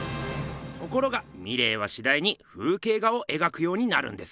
ところがミレーはしだいに風景画を描くようになるんです。